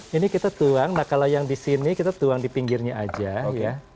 ini kita tuang nah kalau yang di sini kita tuang di pinggirnya aja ya